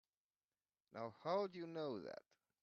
Now how'd you know that?